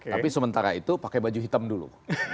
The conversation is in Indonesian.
tapi sementara itu pakai baju hitam dulu